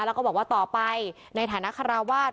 แล้วก็บอกว่าต่อไปในฐานะคาราวาส